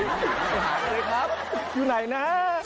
เข้าเลยครับอยู่ไหนนะ